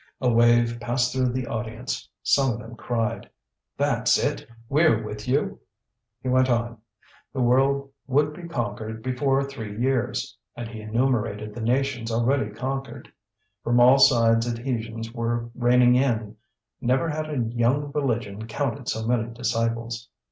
A wave passed through the audience. Some of them cried: "That's it! We're with you." He went on. The world would be conquered before three years. And he enumerated the nations already conquered. From all sides adhesions were raining in. Never had a young religion counted so many disciples.